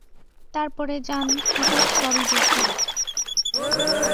তার পরে জান হঠাৎ সবই ডুবল।